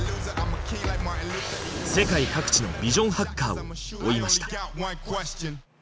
世界各地のビジョンハッカーを追いました。